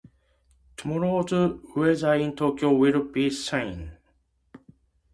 Tomorrow's weather in Tokyo will be sunny.